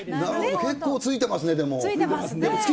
結構、ついてますね、でも。